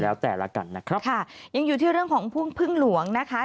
แล้วแต่ละกันนะครับค่ะยังอยู่ที่เรื่องของพุ่งพึ่งหลวงนะคะ